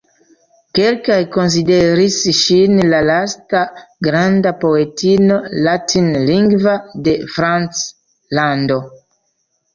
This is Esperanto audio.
Kelkaj konsideris ŝin la lasta granda poetino latinlingva de Franclando.